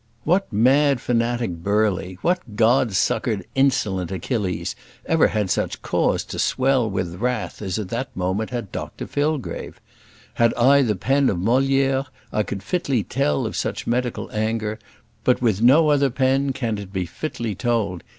What mad fanatic Burley, what god succoured insolent Achilles, ever had such cause to swell with wrath as at that moment had Dr Fillgrave? Had I the pen of Moliere, I could fitly tell of such medical anger, but with no other pen can it be fitly told.